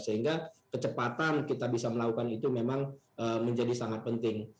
sehingga kecepatan kita bisa melakukan itu memang menjadi sangat penting